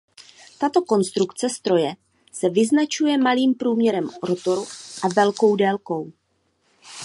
Tato konstrukce stroje se vyznačuje malým průměrem rotoru a velkou délkou.